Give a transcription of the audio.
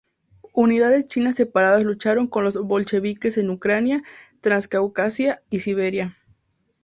Unidades chinas separadas lucharon con los bolcheviques en Ucrania, Transcaucasia y Siberia.